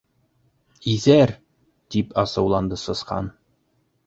—Иҫәр! —тип асыуланды Сысҡан.